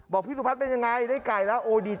บอกพี่สุพัฒน์เป็นอย่างไรได้ไก่แล้วโอ้ดี